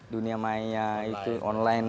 dunia maya itu online